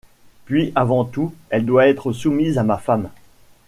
Puis, avant tout, elle doit être soumise à ma femme.